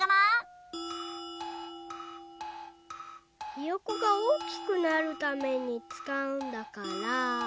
ひよこがおおきくなるためにつかうんだから。